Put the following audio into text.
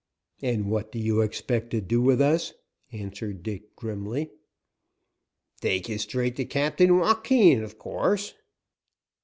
"And what do you expect to do with us?" asked Dick, grimly. "Take ye straight to Captain Joaquin, of course."